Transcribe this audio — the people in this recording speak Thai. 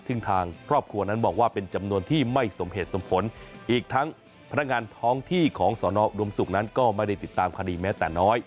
ซึ่งทางครอบครัวนั้นบอกว่าเป็นจำนวนที่ไม่สมเหตุสมผลอีกทั้งพนักงานท้องที่ของสอนออุดมศุกร์นั้นก็ไม่ได้ติดตามคดีแม้แต่น้อย